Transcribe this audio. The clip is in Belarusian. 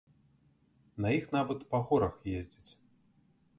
На іх нават па горах ездзяць.